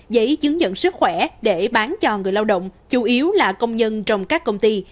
giấy chứng nhận sức khỏe để bán cho người lao động chủ yếu là công nhân trong các công ty